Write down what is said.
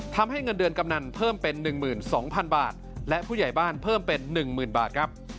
ทำให้เงินเดือนกำนันเพิ่มเป็นหนึ่งหมื่นสองพันบาทและผู้ใหญ่บ้านเพิ่มเป็นหนึ่งหมื่นบาทครับ